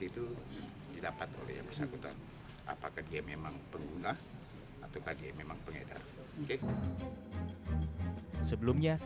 itu didapat oleh yang bersangkutan apakah dia memang pengguna atau dia memang pengedar oke sebelumnya